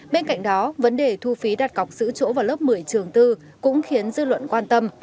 bên cạnh đó vấn đề thu phí đặt cọc giữ chỗ vào lớp một mươi trường tư cũng khiến dư luận quan tâm